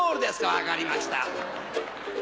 分かりました。